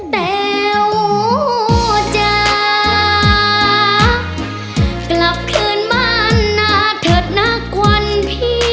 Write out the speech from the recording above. แต่วจะกลับเผื่อบ้านนะเถิดนะควันพี่